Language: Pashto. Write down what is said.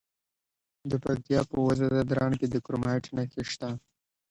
د پکتیا په وزه ځدراڼ کې د کرومایټ نښې شته.